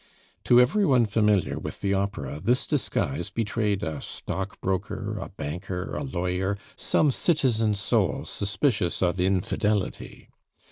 To every one familiar with the opera this disguise betrayed a stock broker, a banker, a lawyer, some citizen soul suspicious of infidelity.